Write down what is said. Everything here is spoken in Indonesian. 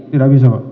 tidak bisa pak